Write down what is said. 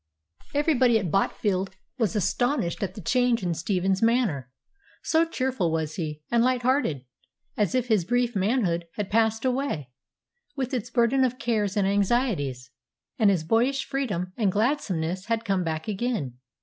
Everybody at Botfield was astonished at the change in Stephen's manner; so cheerful was he, and light hearted, as if his brief manhood had passed away, with its burden of cares and anxieties, and his boyish freedom and gladsomeness had come back again.